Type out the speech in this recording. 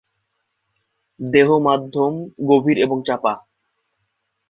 দেহ মধ্যম গভীর এবং চাপা।